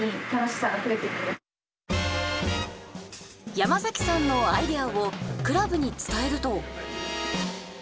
山崎さんのアイデアをクラブに伝えると。